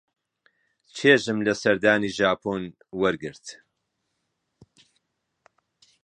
چێژم لە سەردانی ژاپۆن وەرگرت.